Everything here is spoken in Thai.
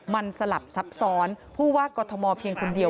มันสลับซับซ้อนผู้ว่ากอทมเพียงคนเดียว